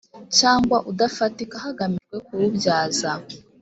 cyangwa udafatika hagamijwe kuwubyaza